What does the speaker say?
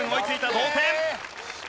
同点！